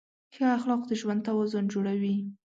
ښه اخلاق د ژوند توازن جوړوي.